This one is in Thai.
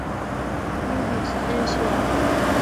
ยูบิส เอเชีย